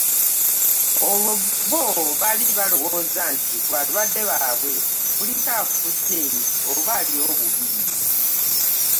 Olwo bo baali balowooza nti ku balwadde baabwe kuliko afudde oba ali obubi.